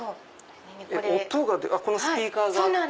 音がこのスピーカーがあって。